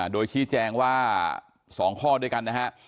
โดยชี้แจงว่า๒ข้อด้วยกันนะฮะ